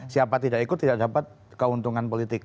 siapa tidak ikut tidak dapat keuntungan politik